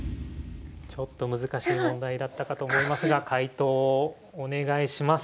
ちょっと難しい問題だったかと思いますが解答をお願いします。